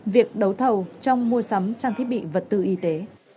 việc đấu thầu trong mua sắm trang thiết bị vật tư y tế